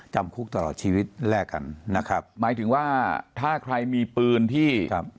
จำคุกตลอดชีวิตแลกกันนะครับหมายถึงว่าถ้าใครมีปืนที่ครับ